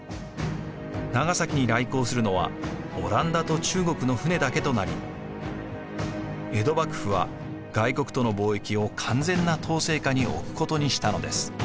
長崎に来航するのはオランダと中国の船だけとなり江戸幕府は外国との貿易を完全な統制下に置くことにしたのです。